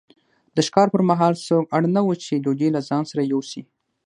د ښکار پر مهال څوک اړ نه وو چې ډوډۍ له ځان سره یوسي.